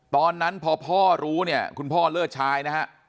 ตอนนั้นพอพ่อรู้คุณพ่อเลิศชายนะครับ